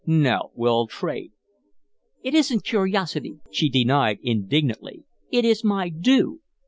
No, we'll trade." "It isn't curiosity," she denied, indignantly. "It is my due."